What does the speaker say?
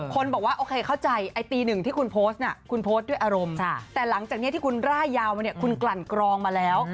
คนบอกว่าโอเคเข้าใจไอ้ตีหนึ่งที่คุณโพสต์น่ะคุณโพสต์ด้วยอารมณ์แต่หลังจากนี้ที่คุณร่ายยาวมาเนี่ยคุณกลั่นกรองมาแล้ว